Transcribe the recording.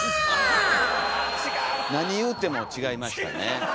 何言うても違いましたね。